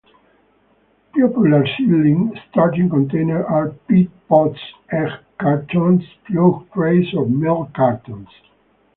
Popular seedling starting containers are peat pots, egg cartons, plug trays or milk cartons.